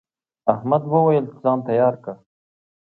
احمد وويل: ځان تیار که.